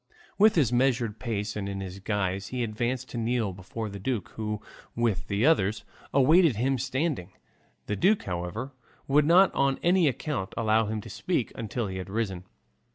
With this measured pace and in this guise he advanced to kneel before the duke, who, with the others, awaited him standing. The duke, however, would not on any account allow him to speak until he had risen.